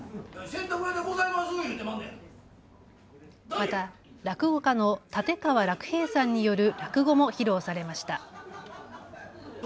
また落語家の立川らく兵さんによる落語も披露されました。